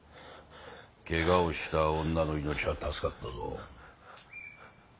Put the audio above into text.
怪我をした女の命は助かったぞ。